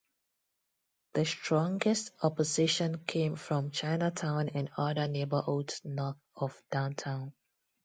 The strongest opposition came from Chinatown and other neighborhoods north of downtown.